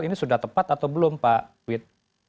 ini sudah tepat atau belum pak wit